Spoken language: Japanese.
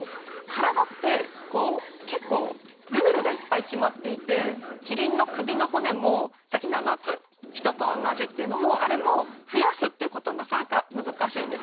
体って結構ルールがいっぱい決まっていてキリンの首の骨もさっき７つヒトと同じっていうのもあれも増やすっていうことはなかなか難しいんですね。